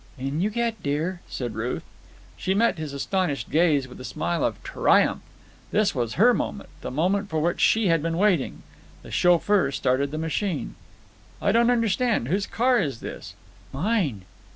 "In you get, dear," said Ruth. She met his astonished gaze with a smile of triumph. This was her moment, the moment for which she had been waiting. The chauffeur started the machine. "I don't understand. Whose car is this?" "Mine.